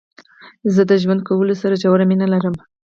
زه د ژوند کولو سره ژوره مينه لرم.